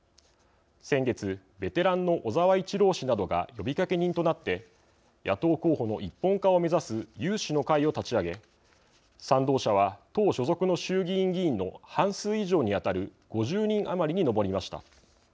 先月ベテランの小沢一郎氏などが呼びかけ人となって野党候補の一本化を目指す有志の会を立ち上げ賛同者は党所属の衆議院議員の半数以上に当たる５０人余りに上りました。